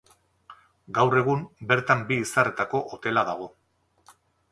Gaur egun bertan bi izarretako hotela dago.